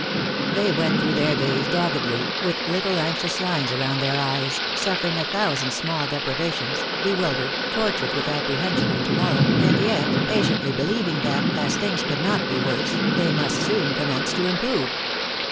They went through their days doggedly, with little anxious lines around their eyes, suffering a thousand small deprivations, bewildered, tortured with apprehension of to morrow, and yet patiently believing that, as things could not be worse, they must soon commence to improve.